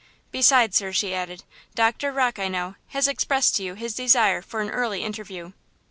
"Besides, sir," she added, "Doctor Rocke, I know, has expressed to you his desire for an early interview."